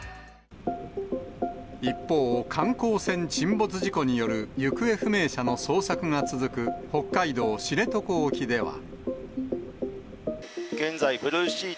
一方、観光船沈没事故による行方不明者の捜索が続く北海道知床沖では。